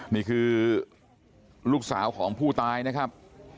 นี่คือลูกสาวของผู้ตายนะครับ